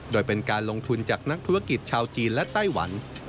โดยเป็นการลงทุนจากนักธุรกิจชาวจีนและไต้หวัน